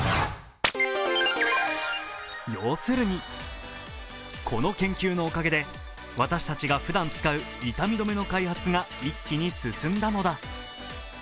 要するに、この研究のおかげで私たちがふだん使う痛み止めの開発が一気に進んだのだ。